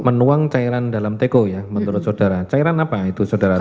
menuang cairan dalam teko ya menurut saudara cairan apa itu saudara tahu